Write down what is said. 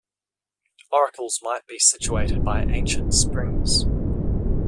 Oracles might be situated by ancient springs.